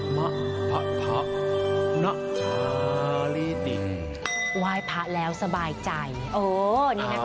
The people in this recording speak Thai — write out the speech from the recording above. ไหว้พระแล้วสบายใจนี่นะคะ